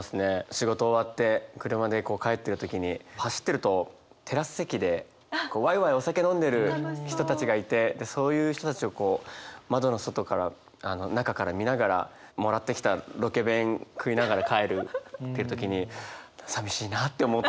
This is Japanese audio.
仕事終わって車でこう帰ってる時に走ってるとテラス席でワイワイお酒飲んでる人たちがいてそういう人たちをこう窓の外から中から見ながらもらってきたロケ弁食いながら帰るっていう時にさみしいなって思ったりする。